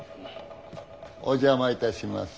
お邪魔いたします。